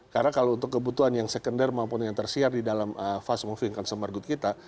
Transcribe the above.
karena kalau untuk kebutuhan yang sekunder maupun yang tersiar di dalam fast moving consumer goods kita